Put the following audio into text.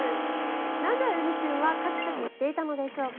なぜ、うに君はカキカキしていたのでしょうか。